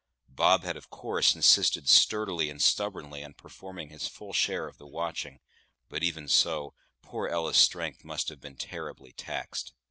Bob had, of course, insisted sturdily and stubbornly on performing his full share of the watching; but, even so, poor Ella's strength must have been terribly taxed.